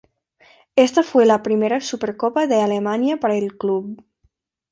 Esta fue la primera Supercopa de Alemania para el club.